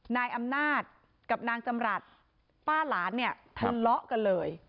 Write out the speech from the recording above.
นายอำนาจกับนางจำรัฐป้าหลานเนี่ยทะเลาะกันเลย